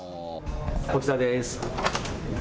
こちらです。